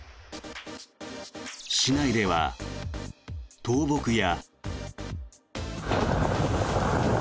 市内では倒木や。